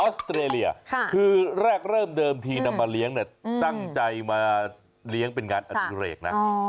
สเตรเลียคือแรกเริ่มเดิมทีนำมาเลี้ยงเนี่ยตั้งใจมาเลี้ยงเป็นงานอดิเรกนะ